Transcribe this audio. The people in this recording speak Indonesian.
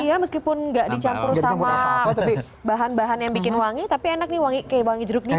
iya meskipun nggak dicampur sama bahan bahan yang bikin wangi tapi enak nih kayak wangi jeruk nik